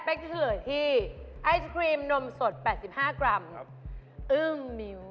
และเป๊ะจะเฉลยที่ไอศครีมนมสด๘๕กรัม